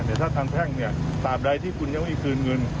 แต่ถ้าทางแพ่งเนี่ยตามใดที่คุณยังไม่คืนเงิน